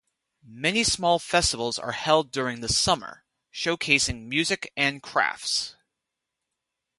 Many small festivals are held during the summer, showcasing music and crafts.